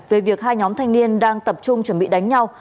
về việc hai nhóm thanh niên đang tập trung chuẩn bị đánh nhau